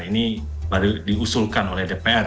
ini baru diusulkan oleh dpr